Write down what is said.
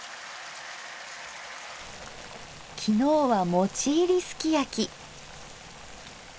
昨日は「餅入りすきやき」。